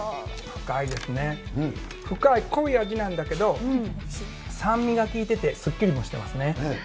深い濃い味なんだけど、酸味が効いてて、すっきりもしてますね。